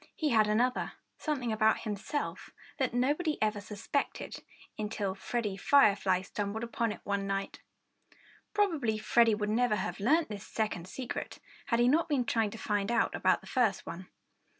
He had another something about himself that nobody ever suspected, until Freddie Firefly stumbled upon it one night. Probably Freddie would never have learned this second secret had he not been trying to find out about the first one.